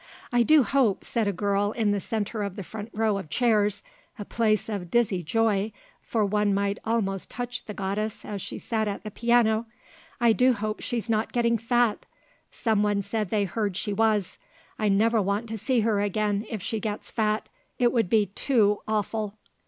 "I do hope," said a girl in the centre of the front row of chairs, a place of dizzy joy, for one might almost touch the goddess as she sat at the piano, "I do hope she's not getting fat. Someone said they heard she was. I never want to see her again if she gets fat. It would be too awful."